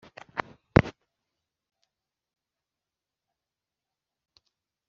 Nuko none ndakwinginze, nyemerera mutikure icumu rimwe gusa mpamanye n’ubutaka